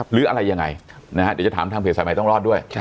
หรืออะไรยังไงเดี๋ยวจะถามทางเพจสายใหม่ต้องรอดด้วย